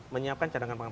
menyiapkan cadangan pangan